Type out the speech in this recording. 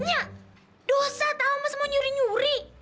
nyah dosa tau mah semua nyuri nyuri